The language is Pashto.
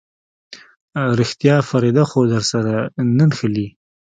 رښتيا فريده خو درسره نه نښلي.